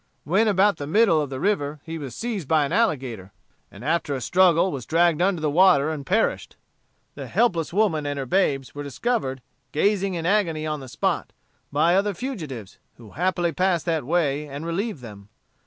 When about the middle of the river he was seized by an alligator, and after a struggle was dragged under the water, and perished. The helpless woman and her babes were discovered, gazing in agony on the spot, by other fugitives, who happily passed that way, and relieved them.